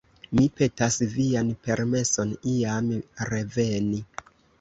Mi petas vian permeson iam reveni.